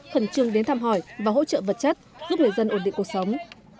khẩn trương đến thăm hỏi và hỗ trợ vật chất giúp người dân ổn định cuộc sống